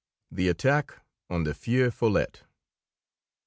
THE ATTACK ON THE FEU FOLLETTE.